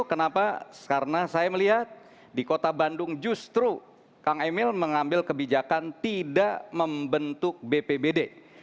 kenapa karena saya melihat di kota bandung justru kang emil mengambil kebijakan tidak membentuk bpbd